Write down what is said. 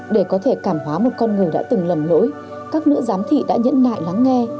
để có thể cảm hóa một con người đã từng lầm lỗi các nữ giám thị đã nhẫn nại lắng nghe